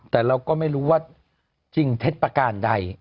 แต่เราก็ไม่รู้ว่าจริงเท็จประการใด